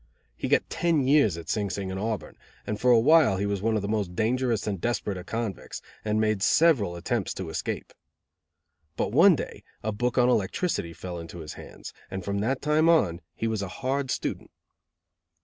He got ten years at Sing Sing and Auburn, and for a while he was one of the most dangerous and desperate of convicts, and made several attempts to escape. But one day a book on electricity fell into his hands, and from that time on he was a hard student.